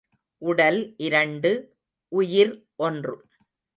உடல் இரண்டு, உயிர் ஒன்று.